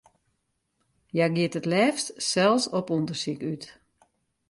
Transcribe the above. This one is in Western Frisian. Hja giet it leafst sels op ûndersyk út.